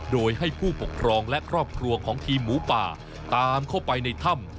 โดยให้ผู้ปกครองและครอบครัวของทีมหมูป่าตามเข้าไปในถ้ำ